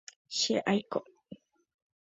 Che aiko.